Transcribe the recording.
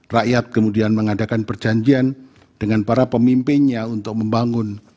rakyat kemudian mengadakan perjanjian dengan para pemimpinnya untuk membangun